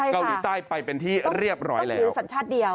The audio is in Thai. เกาหลีใต้ไปเป็นที่เรียบร้อยแล้ว